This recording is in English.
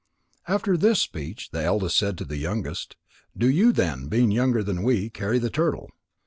After this speech, the eldest said to the youngest: "Do you then, being younger than we, carry the turtle."